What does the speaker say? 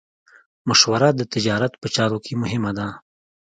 مشوره د تجارت په چارو کې مهمه ده.